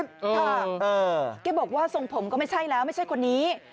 ค่ะแกบอกว่าทรงผมก็ไม่ใช่แล้วไม่ใช่คนนี้